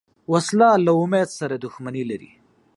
وسله له امید سره دښمني لري